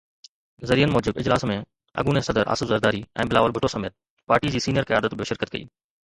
ذريعن موجب اجلاس ۾ اڳوڻي صدر آصف زرداري ۽ بلاول ڀٽو سميت پارٽي جي سينيئر قيادت به شرڪت ڪئي.